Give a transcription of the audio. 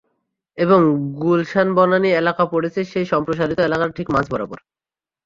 এবং গুলশান বনানী এলাকা পড়েছে সেই সম্প্রসারিত এলাকার ঠিক মাঝ বরাবর।